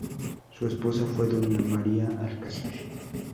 Su esposa fue doña María Alcazar.